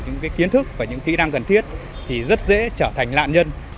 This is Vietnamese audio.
những cái kiến thức và những kỹ năng cần thiết thì rất dễ trở thành lạ nhân